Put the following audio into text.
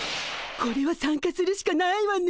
これは参加するしかないわね。